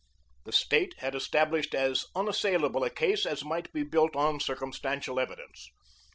The State had established as unassailable a case as might be built on circumstantial evidence.